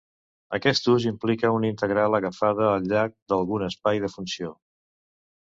Aquest ús implica una integral agafada al llarg d'algun espai de funció.